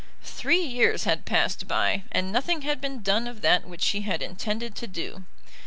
Three years had passed by, and nothing had been done of that which she had intended to do.